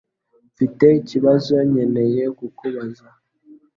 Mfite ikibazo nkeneye kukubaza.